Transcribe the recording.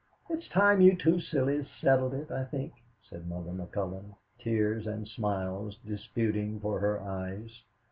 "It's time you two sillies settled it, I think," said Mother McCullon, tears and smiles disputing for her eyes.